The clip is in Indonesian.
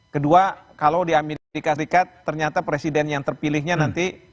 kedua kalau di amerika serikat ternyata presiden yang terpilihnya nanti